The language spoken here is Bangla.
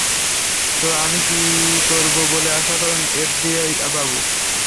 তো আমি কী করবো বলে আশা করেন, এফবিআই বাবু?